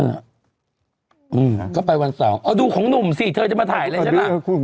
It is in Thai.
อืมก็ไปวันเสาร์เอาดูของหนุ่มสิเธอจะมาถ่ายอะไรฉันล่ะ